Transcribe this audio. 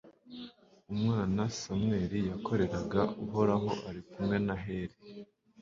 umwana samweli yakoreraga uhoraho ari kumwe na heli